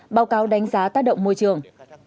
báo cáo đánh giá tác động môi trường